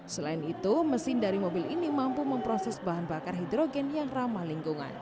selain itu mesin dari mobil ini mampu memproses bahan bakar hidrogen yang ramah lingkungan